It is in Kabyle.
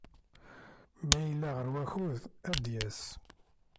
Ma yella ɣer wakud, ad d-yas.